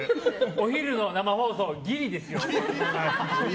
お昼の生放送ギリですよ。